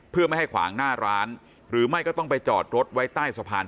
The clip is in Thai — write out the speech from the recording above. เพื่อไม่ให้ขวางหน้าร้านหรือไม่ก็ต้องไปจอดรถไว้ใต้สะพาน